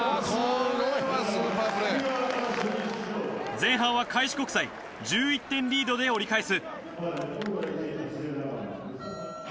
前半は開志国際１１点リードで折り返す。